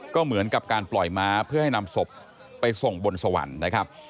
ก็เหมือนกับการปล่อยม้าเพื่อให้นำศพไปส่งบนสวรรค์นะครับ